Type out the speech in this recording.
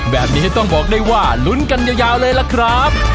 แบบนี้ต้องบอกได้ว่าลุ้นกันยาวเลยล่ะครับ